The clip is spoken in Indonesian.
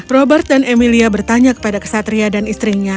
robert dan emilia bertanya kepada kesatria dan istrinya